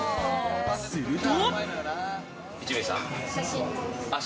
すると。